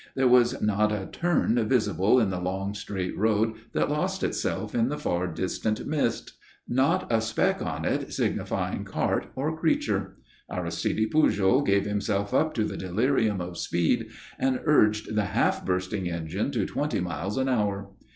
There was not a turn visible in the long, straight road that lost itself in the far distant mist; not a speck on it signifying cart or creature. Aristide Pujol gave himself up to the delirium of speed and urged the half bursting engine to twenty miles an hour.